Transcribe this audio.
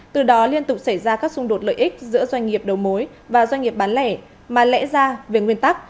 từ đó liên tục xảy ra các xung đột lợi ích giữa doanh nghiệp đầu mối và doanh nghiệp bán lẻ mà lẽ ra về nguyên tắc